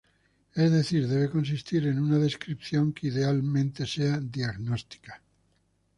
Es decir debe consistir en una descripción que idealmente sea "diagnóstica".